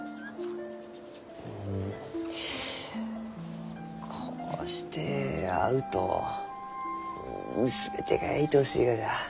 うんこうして会うとう全てがいとおしいがじゃ。